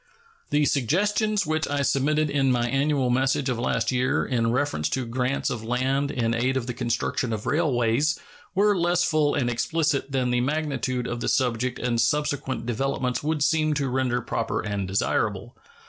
The suggestions which I submitted in my annual message of last year in reference to grants of land in aid of the construction of railways were less full and explicit than the magnitude of the subject and subsequent developments would seem to render proper and desirable.